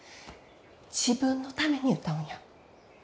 自分のために歌うんや。